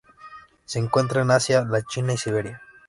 Se encuentran en Asia: la China y Siberia.